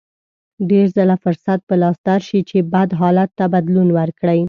ډېر ځله فرصت په لاس درشي چې بد حالت ته بدلون ورکړئ.